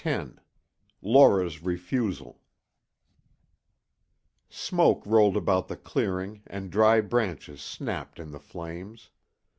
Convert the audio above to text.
X LAURA'S REFUSAL Smoke rolled about the clearing and dry branches snapped in the flames.